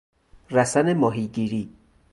رسن ماهیگیری